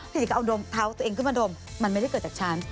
พี่สิกเอาดมพาตัวเองขึ้นมาดมมันไม่ได้เกิดจากฉาน